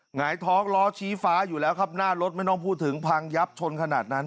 หงายท้องล้อชี้ฟ้าอยู่แล้วครับหน้ารถไม่ต้องพูดถึงพังยับชนขนาดนั้น